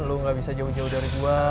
lo gak bisa jauh jauh dari gue